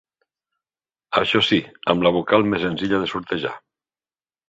Això sí, amb la vocal més senzilla de sortejar.